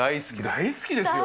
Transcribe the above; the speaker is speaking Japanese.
大好きですよ。